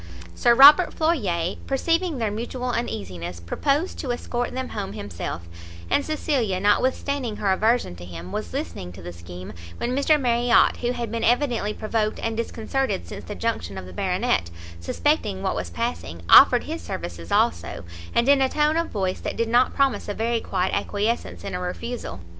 Sir Robert Floyer perceiving their mutual uneasiness, proposed to escort them home himself; and Cecilia, notwithstanding her aversion to him, was listening to the scheme, when Mr Marriot, who had been evidently provoked and disconcerted since the junction of the Baronet, suspecting what was passing, offered his services also, and in a tone of voice that did not promise a very quiet acquiescence in a refusal.